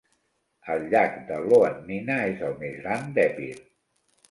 El llac de Ioànnina és el més gran d'Epir.